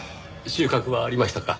収穫はありましたか？